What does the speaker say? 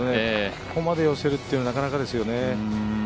ここまで寄せるというのはなかなかですよね。